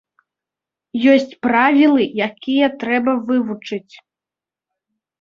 Ёсць правілы, якія трэба вывучыць.